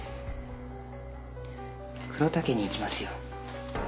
黒岳に行きますよ。